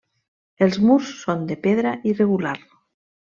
Els murs són de pedra irregular.